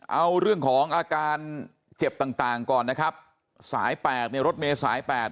เอาเรื่องของอาการเจ็บต่างก่อนนะครับสายแปดรถเมก็สายแปด